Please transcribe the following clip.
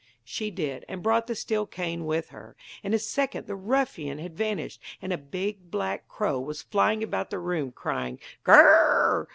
She did, and brought the steel cane with her. In a second the ruffian had vanished, and a big black crow was flying about the room, crying 'Gour!